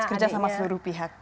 kerja sama seluruh pihak